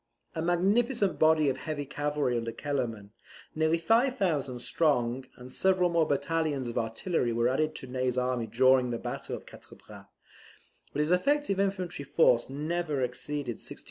A magnificent body of heavy cavalry under Kellerman, nearly 5,000 strong, and several more battalions of artillery were added to Ney's army during the battle of Quatre Bras; but his effective infantry force never exceeded 16,000.